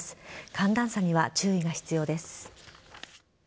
寒暖差には注意が必要です。